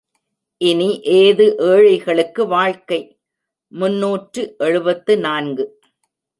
இனி ஏது ஏழைகளுக்கு வாழ்க்கை? முன்னூற்று எழுபத்து நான்கு.